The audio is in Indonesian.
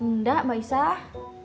nggak mbak isah